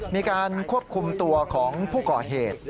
มีการควบคุมตัวของผู้ก่อเหตุ